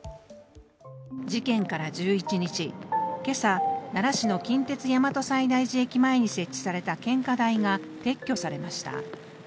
事件から１１日、今朝奈良市の近鉄大和西大寺駅前に設置された献花台が、撤去されました。